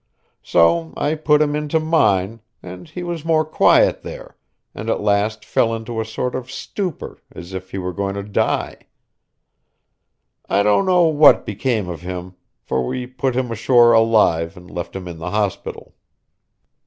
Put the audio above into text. So I put him into mine, and he was more quiet there, and at last fell into a sort of stupor as if he were going to die. I don't know what became of him, for we put him ashore alive and left him in the hospital.